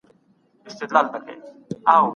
لوستونکي نه غواړي کليشه يي معلومات بيا بيا ولولي.